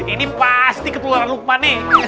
ini pasti ketularan lukmani